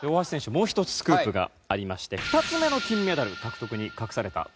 もう一つスクープがありまして２つ目の金メダル獲得に隠されたスクープ